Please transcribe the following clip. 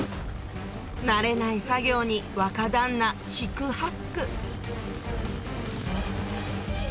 慣れない作業に若旦那四苦八苦